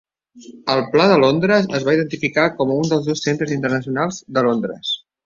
Al Pla de Londres es va identificar com un dels dos centres internacionals de Londres.